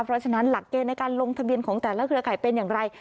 เพราะฉะนั้นหลักเกณฑ์ในการลงทะเบียนของแต่ละเครือข่ายเป็นอย่างไร